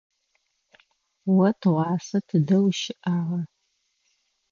О тыгъуасэ тыдэ ущыӏагъа?